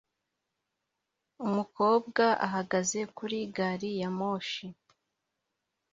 Umukobwa ahagaze kuri gari ya moshi